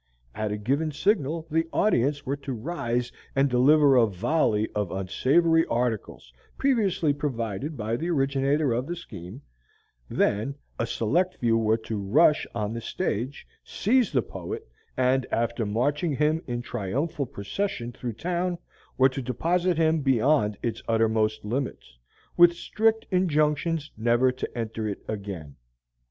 At a given signal the audience were to rise and deliver a volley of unsavory articles (previously provided by the originator of the scheme); then a select few were to rush on the stage, seize the poet, and, after marching him in triumphal procession through town, were to deposit him beyond its uttermost limits, with strict injunctions never to enter it again.